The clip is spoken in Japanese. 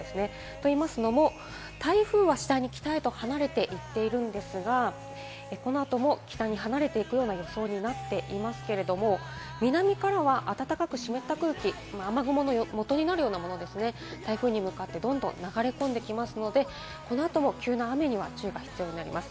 といいますのも、台風は次第に北へと離れていっているんですが、このあとも北へ離れていくような予想になっていますけれども、南からは暖かく湿った空気、なるようなものですね、台風に向かってどんどん流れてきますので、この後も急な雨には注意が必要になります。